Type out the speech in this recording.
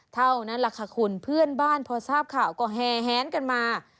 เท่านั้นแหละค่ะคุณเพื่อนบ้านพอทราบข่าวก็แหนกันมา